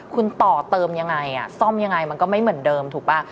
คุณต่อเติมยังไงซ่อมยังไงมันก็ไม่เหมือนเดิมถูกป่ะ